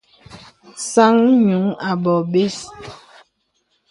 Sàŋ nyùŋ a bɔ̀ɔ̀ bə̀i.